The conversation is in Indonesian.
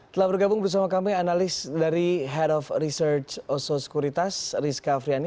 telah bergabung bersama kami analis dari head of research oso sekuritas rizka friani